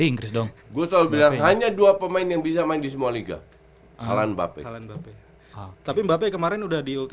inggris dong gue tahu bener hanya dua pemain yang bisa main di semua liga alan bapak kalian bapak tapi mbak peh kemarin udah ke liga inggris